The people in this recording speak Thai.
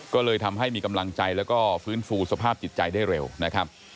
ก็เลยทำให้มีกำลังใจแล้วก็ฟื้นฟูสภาพจิตใจได้เร็วนะครับ